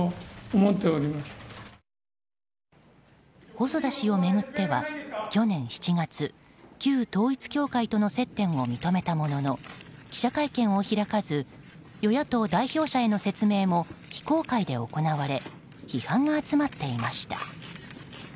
細田氏を巡っては去年７月旧統一教会との接点を認めたものの記者会見を開かず与野党代表者への説明も非公開で行われ批判が集まっていました。